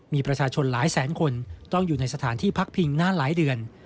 มีประชาชนหลายแสนคนต้องอยู่ในสถานที่พักพิงนานหลายเดือน